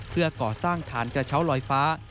เพื่อก่อสร้างฐานกระเช้าลอยฟ้า